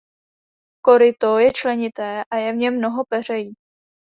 Koryto je členité a je v něm mnoho peřejí.